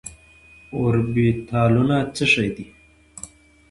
اوربيتالونه څه دي ؟